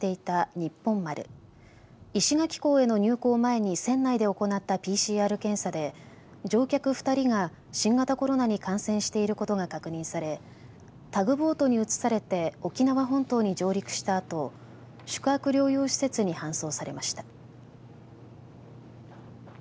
にっぽん丸石垣港への入港前に船内で行ったＰＣＲ検査で乗客２人が新型コロナに感染していることが確認されタグボートに移されて沖縄本島に上陸したあと宿泊療養施設に搬送されました。